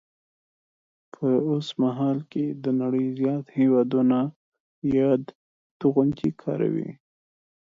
په اوسمهال کې د نړۍ زیات هیوادونه یاد توغندي کاروي